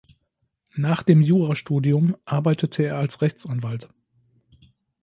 Nach dem Jurastudium arbeitete er als Rechtsanwalt.